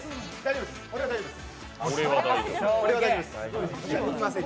俺は大丈夫です。